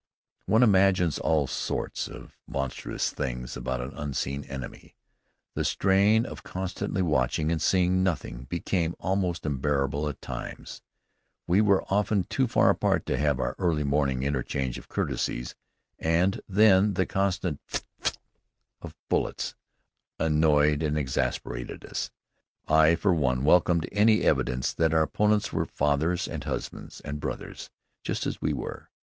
One imagines all sorts of monstrous things about an unseen enemy. The strain of constantly watching and seeing nothing became almost unbearable at times. We were often too far apart to have our early morning interchange of courtesies, and then the constant phtt phtt of bullets annoyed and exasperated us. I for one welcomed any evidence that our opponents were fathers and husbands and brothers just as we were.